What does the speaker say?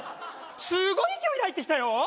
すごい勢いで入ってきたよ